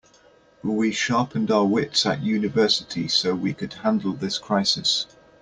We sharpened our wits at university so we could handle this crisis.